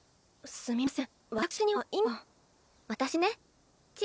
すみません。